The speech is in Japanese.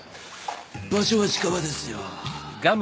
場所は近場ですよ。